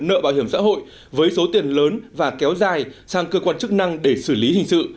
nợ bảo hiểm xã hội với số tiền lớn và kéo dài sang cơ quan chức năng để xử lý hình sự